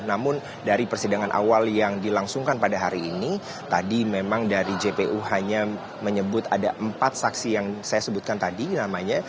namun dari persidangan awal yang dilangsungkan pada hari ini tadi memang dari jpu hanya menyebut ada empat saksi yang saya sebutkan tadi namanya